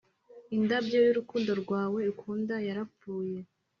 indabyo y'urukundo rwawe ukunda yarapfuye;